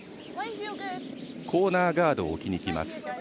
コーナーガードを置きにきます。